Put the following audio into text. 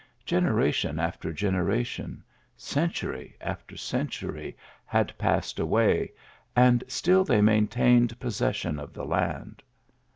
Gener ation after generation, century after century had passed away, and still they maintained possession of the land.